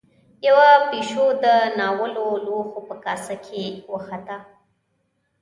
يوه پيشو د ناولو لوښو په کاسه کې وخته.